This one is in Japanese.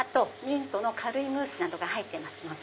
ミントの軽いムースなどが入ってます。